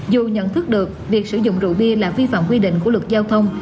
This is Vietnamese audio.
dù nhận thức được việc sử dụng rượu bia là vi phạm quy định của luật giao thông